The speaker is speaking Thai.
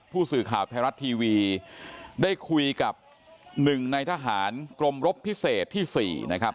ผู้สื่อข่าวไทยรัฐทีวีได้คุยกับหนึ่งในทหารกรมรบพิเศษที่๔นะครับ